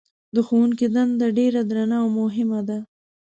د ښوونکي دنده ډېره درنه او مهمه ده.